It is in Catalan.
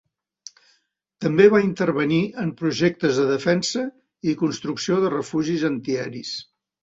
També va intervenir en projectes de defensa i construcció de refugis antiaeris.